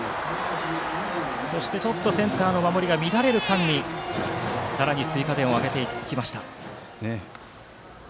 そしてセンターの守りが乱れる間にさらに追加点を挙げました。